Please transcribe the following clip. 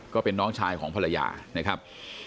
ก็เป็นน้องชายของภรรยานะครับ